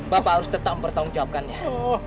bapak harus tetap bertanggung jawabkannya